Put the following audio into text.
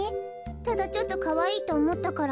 ただちょっとかわいいとおもったから。